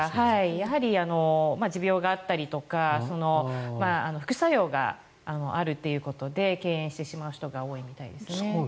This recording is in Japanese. やはり持病があったりとか副作用があるということで敬遠してしまう人が多いみたいですね。